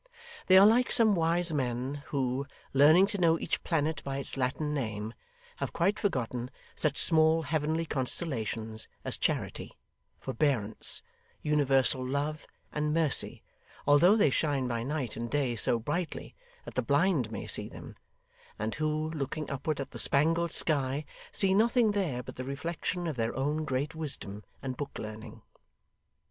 They are like some wise men, who, learning to know each planet by its Latin name, have quite forgotten such small heavenly constellations as Charity, Forbearance, Universal Love, and Mercy, although they shine by night and day so brightly that the blind may see them; and who, looking upward at the spangled sky, see nothing there but the reflection of their own great wisdom and book learning.